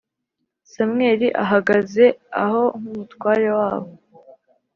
Samweli ahagaze aho nk’umutware wabo